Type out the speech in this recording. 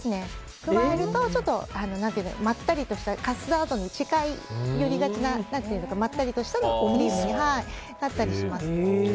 加えるとまったりとしたカスタードに近い寄りがちなまったりとしたクリームになったりします。